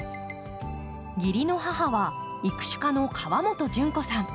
義理の母は育種家の河本純子さん。